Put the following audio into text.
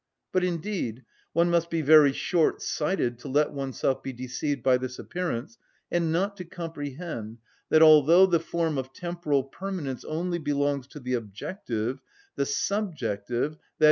But, indeed, one must be very short‐sighted to let oneself be deceived by this appearance, and not to comprehend that, although the form of temporal permanence only belongs to the objective, the subjective, _i.